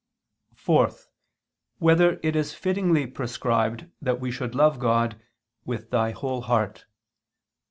(4) Whether it is fittingly prescribed that we should love God, "with thy whole heart"?